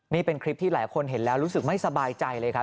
นี่เป็นคลิปที่หลายคนเห็นแล้วรู้สึกไม่สบายใจเลยครับ